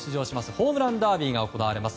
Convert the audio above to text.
ホームランダービーが行われます。